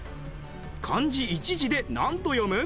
漢字１字でなんと読む？